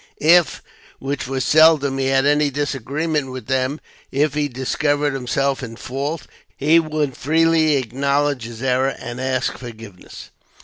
If, which was seldom, he had any disagreement with them, if he discovered himself in fault, he would freely acknowledge his error, and ask forgiveness.